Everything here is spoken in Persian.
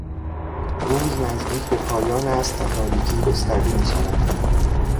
روز نزدیک به پایان است و تاریکی گسترده میشود.